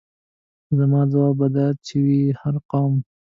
زما ځواب به دا وي چې هر قوم.